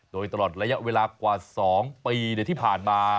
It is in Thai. โดยตลอดระยะเวลากว่า๒ปีที่ผ่านมา